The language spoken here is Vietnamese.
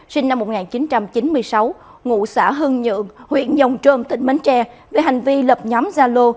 sinh năm một nghìn chín trăm chín mươi sáu ngụ xã hưng nhượng huyện dòng trôm tỉnh bến tre về hành vi lập nhóm gia lô